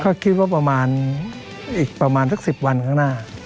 ก็คิดว่าประมาณอีกประมาณสัก๑๐วันข้างหน้า